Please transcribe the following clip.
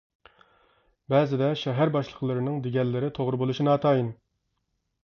بەزىدە شەھەر باشلىقلىرىنىڭ دېگەنلىرى توغرا بولۇشى ناتايىن.